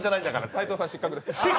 斉藤さん、失格です。